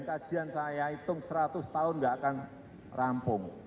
kajian saya hitung seratus tahun nggak akan rampung